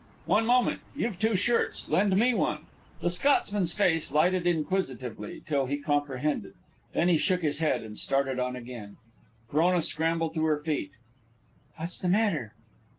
"One moment. You've two shirts. Lend me one." The Scotsman's face lighted inquisitively, till he comprehended. Then he shook his head and started on again. Frona scrambled to her feet. "What's the matter?"